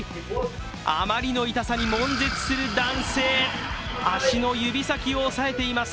あまりの痛さにもん絶する男性、足の指先を押さえています。